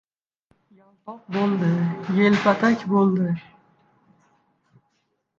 Yaltoq bo‘ldi. Yelpatak bo‘ldi.